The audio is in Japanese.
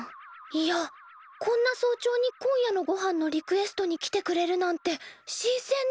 いやこんな早朝に今夜のごはんのリクエストに来てくれるなんてしんせんで。